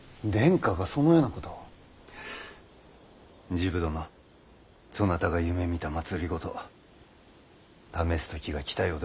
治部殿そなたが夢みた政試す時が来たようでござるな。